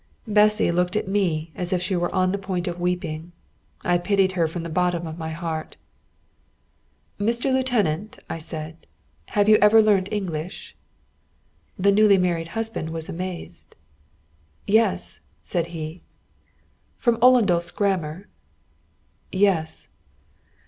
Bessy looked at me as if she were on the point of weeping. I pitied her from the bottom of my heart. "Mr. Lieutenant," I said, "have you ever learnt English?" The newly married husband was amazed. "Yes," said he. "From Ollendorf's grammar?" "Yes."